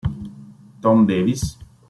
Tom Davis